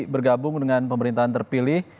bergabung dengan pemerintahan terpilih